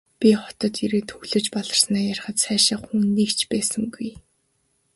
Би хотод ирээд хөглөж баларснаа ярихад сайшаах хүн нэг ч байсангүй.